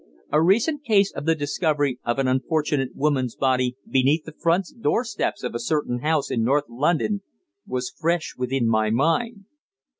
A recent case of the discovery of an unfortunate woman's body beneath the front doorsteps of a certain house in North London was fresh within my mind.